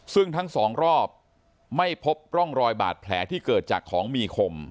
ซึ่งทั้งสองรอบไม่พบร่องรอยบาดแผลที่เกิดจากของมีคม